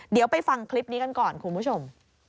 เดี๋ยวไปฟังคลิปนี้กันก่อนคุณผู้ชม